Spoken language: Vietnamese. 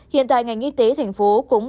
hiện tại ngành y tế tp hcm cũng